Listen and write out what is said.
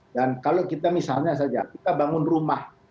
dan kalau kita misalnya saja kita bangun rumah